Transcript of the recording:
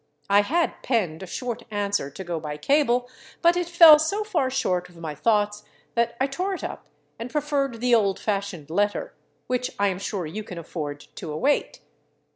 I had penned a short answer to go by cable, but it fell so far short of my thoughts that I tore it up and preferred the old fashioned letter, which I am sure you can afford to await.